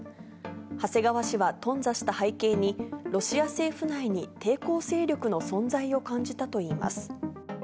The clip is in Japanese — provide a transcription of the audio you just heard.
長谷川氏は、頓挫した背景に、ロシア政府内に抵抗勢力の存在を感じたといいます。